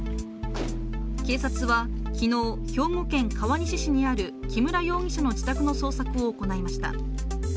警察は昨日、兵庫県川西市にある木村容疑者の自宅の捜索を行いました。